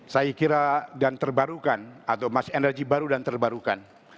saya kira dan terbarukan atau emas energi baru dan terbarukan